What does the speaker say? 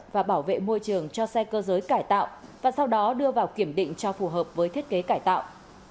và bảo vệ môi trường cho xe cơ giới cải tạo và sau đó đưa vào kiểm định cho phù hợp với thiết kế cải tạo